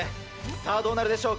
さあ、どうなるでしょうか。